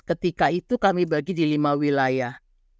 ketika itu kami bagi di lima wilayah